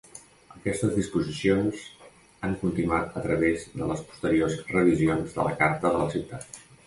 Aquestes disposicions han continuat a través de les posteriors revisions de la carta de la ciutat.